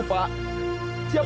bapak akan menangkapmu